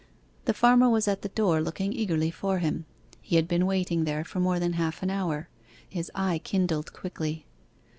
The farmer was at the door looking eagerly for him. He had been waiting there for more than half an hour. His eye kindled quickly.